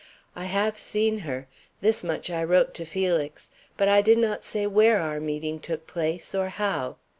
I have seen her. This much I wrote to Felix, but I did not say where our meeting took place or how.